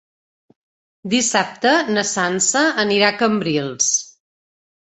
Dissabte na Sança anirà a Cambrils.